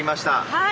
はい！